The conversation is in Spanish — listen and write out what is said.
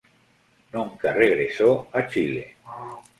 Nunca regresó a Chile.